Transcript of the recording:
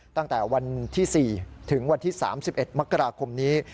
ตั้งแต่วันที่๔ถึงวันที่๓๑มกราคมนี้